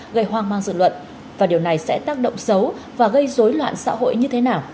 gây hoang mang dự luận và điều này sẽ tác động xấu và gây dối loạn xã hội như thế nào